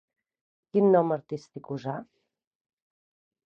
Quin nom artístic usà?